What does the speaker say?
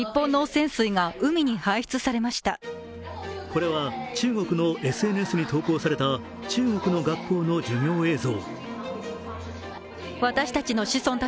これは中国のＳＮＳに投稿された中国の学校の授業映像。